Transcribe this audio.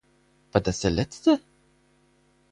War das der letzte?